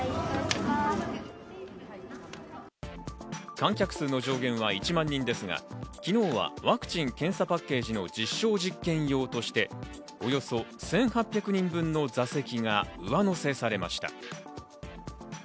観客数の上限は１万人ですが、昨日はワクチン・検査パッケージの実証実験用としておよそ１８００人分の座席が上乗せされました。